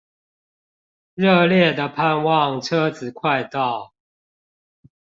熱烈地盼望車子快到